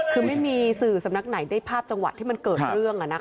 คือไม่มีสื่อสำนักไหนได้ภาพจังหวะที่มันเกิดเรื่อง